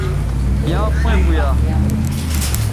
یاں پیئں پویا